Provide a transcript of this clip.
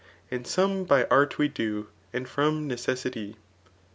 And some by art we do, and from necessity.